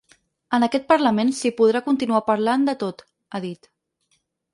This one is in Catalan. En aquest parlament, s’hi podrà continuar parlant de tot, ha dit.